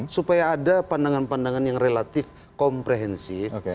supaya ada pandangan pandangan yang relatif komprehensif